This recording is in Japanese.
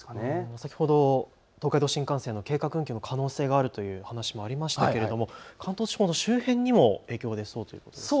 先ほど東海道新幹線の計画運休の可能性もあるという話もありましたが関東地方の周辺にも影響が出そうですか。